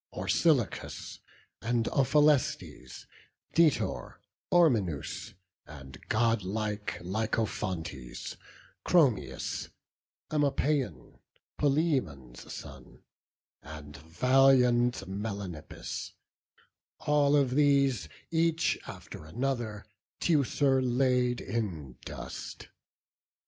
Orsilochus, And Ophelestes, Daetor, Ormenus, And godlike Lycophontes, Chromius, And Amopaon, Polyaemon's son, And valiant Melanippus: all of these, Each after other, Teucer laid in dust.